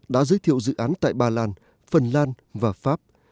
đã giới thiệu dự án tại ba lan phần lan và pháp